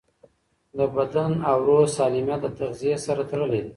د بدن او روح سالمیت د تغذیې سره تړلی دی.